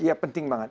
ya penting banget